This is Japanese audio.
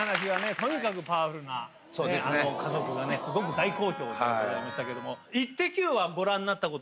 とにかくパワフルな家族がすごく大好評でございましたけども。